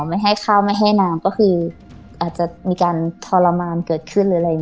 ไม่ให้ข้าวไม่ให้น้ำก็คืออาจจะมีการทรมานเกิดขึ้นหรืออะไรอย่างนี้